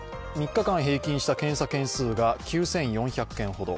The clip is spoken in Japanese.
３日間平均した検査件数が９４００件ほど。